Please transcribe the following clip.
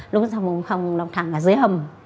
lúc đó phòng đọc thẳng là dưới hầm